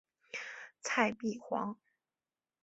蔡璧煌。